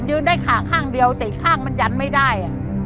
ได้ขาข้างเดียวแต่อีกข้างมันยันไม่ได้